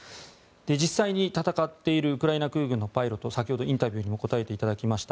実際に戦っているウクライナ空軍のパイロット先ほどインタビューにも答えていただきました